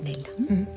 うん。